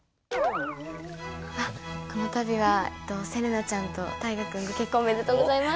あっこの度はせれなちゃんと大河君の結婚おめでとうございます。